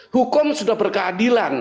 hukum sudah berkeadilan